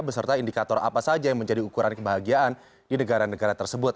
beserta indikator apa saja yang menjadi ukuran kebahagiaan di negara negara tersebut